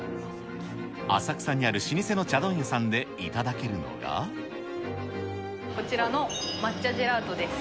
浅草にある老舗の茶問屋さんで、こちらの抹茶ジェラートです。